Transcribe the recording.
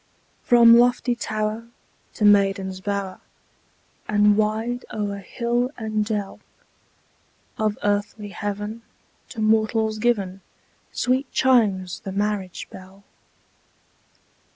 From lofty tower to maiden's bower, And wide o'er hill and dell, Of earthly heaven, to mortals given, Sweet chimes the marriage bell.